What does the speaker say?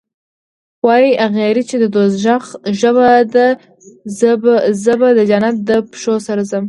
واي اغیار چی د دوږخ ژبه ده زه به جنت ته دپښتو سره ځم